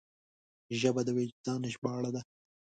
ژبه د وجدان ژباړه ده